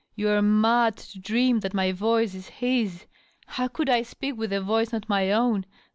You are mad to dream that my voice is his. How could I speak with a voice not my own?